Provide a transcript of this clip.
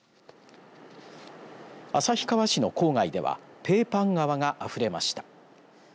旭川市の郊外ではペーパン川があふれました。